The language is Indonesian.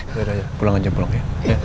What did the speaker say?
ya udah ya pulang aja pulang ya